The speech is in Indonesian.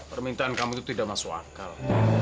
permintaan kamu itu tidak masuk akal